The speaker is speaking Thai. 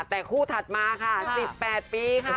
แต่คู่ถัดมาค่ะ๑๘ปีค่ะ